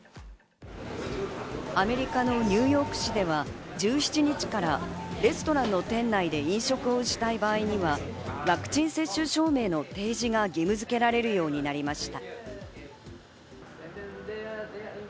アメリカのニューヨーク市では１７日からレストランの店内で飲食をしたい場合には、ワクチン接種証明の提示が義務付けられるようになりました。